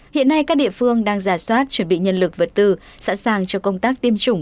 hiện nay các địa phương đang giả soát chuẩn bị nhân lực vật tư sẵn sàng cho công tác tiêm chủng